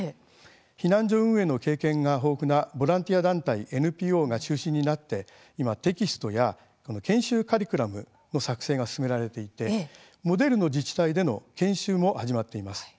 避難所運営の経験が豊富なボランティア団体ＮＰＯが中心になって、今テキストや研修カリキュラムの作成が進められていてモデルの自治体での研修も始まっています。